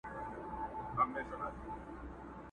څوک د ورور په توره مړ وي څوک پردیو وي ویشتلي!.